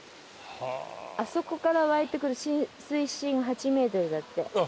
あそこから湧いてくる水深８ｍだって。